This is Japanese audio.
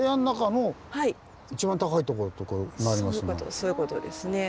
そういうことですね。